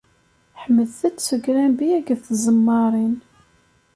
Ḥemdet- t s ugrambi akked tẓemmarin!